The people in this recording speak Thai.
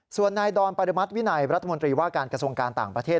ส่วนนายดอนปริมัติวินัยรัฐมนตรีว่าการกระทรวงการต่างประเทศ